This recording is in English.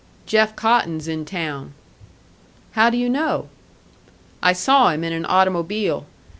"Jeff Cotton's in town." "How do you know?" "I saw him in an automobile.